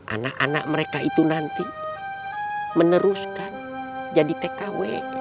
anak anak mereka itu nanti meneruskan jadi tkw